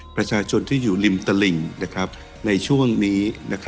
ประชาชนที่อยู่ริมตลิ่งในช่วงนี้